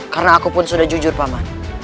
karena aku pun sudah jujur paman